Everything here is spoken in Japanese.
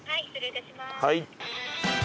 はい。